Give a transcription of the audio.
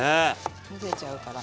むせちゃうから。